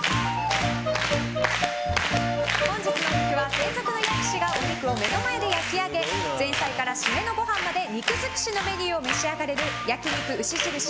本日のお肉は、専属の焼き師がお肉を目の前で焼き上げ前菜から締めのご飯まで肉尽くしのメニューを召し上がれる焼肉牛印